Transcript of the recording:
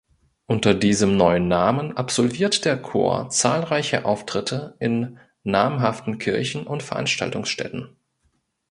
Unter diesem neuen Namen absolviert der Chor zahlreiche Auftritte in namhaften Kirchen und Veranstaltungsstätten.